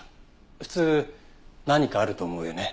普通何かあると思うよね？